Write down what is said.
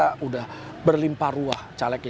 sudah berlimpah ruah calegnya